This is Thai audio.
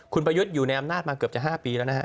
คุณประยุทธ์อยู่ในอำนาจมาเกือบจะ๕ปีแล้วนะฮะ